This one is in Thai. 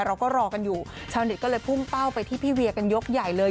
เราก็รอกันอยู่ชาวเน็ตก็เลยพุ่งเป้าไปที่พี่เวียกันยกใหญ่เลย